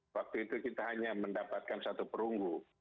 waktu itu kita hanya mendapatkan satu perunggu